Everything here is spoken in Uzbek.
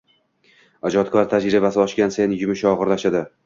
Ijodkor tajribasi oshgan sayin yumushi og’irlashadi.